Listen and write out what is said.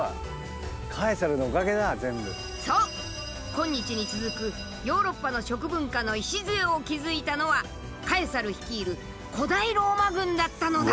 今日に続くヨーロッパの食文化の礎を築いたのはカエサル率いる古代ローマ軍だったのだ。